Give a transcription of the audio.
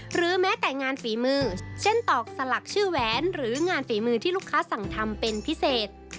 หรือแม้แต่งานฝีมือเช่นตอกสลักชื่อแหวนหรืองานฝีมือที่ลูกค้าสั่งทำเป็นพิเศษ